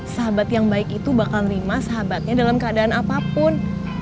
sahabat yang baik itu bakal rima sahabatnya dalam keadaan apapun